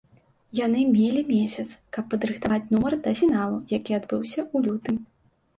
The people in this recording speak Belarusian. Яны мелі месяц, каб падрыхтаваць нумар да фіналу, які адбыўся ў лютым.